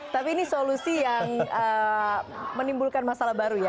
tapi ini solusi yang menimbulkan masalah baru ya